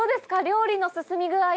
料理の進み具合は。